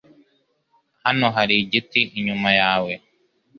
Hano hari igiti inyuma yawe.